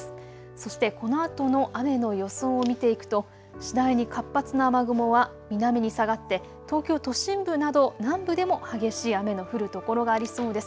そして、このあとの雨の予想を見ていくと次第に活発な雨雲は南に下がって東京都心部など南部でも激しい雨の降る所がありそうです。